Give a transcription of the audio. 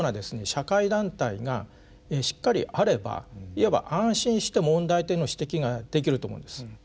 社会団体がしっかりあればいわば安心して問題点の指摘ができると思うんです。